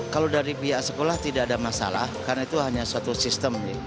kalau dari pihak sekolah tidak ada masalah karena itu hanya suatu sistem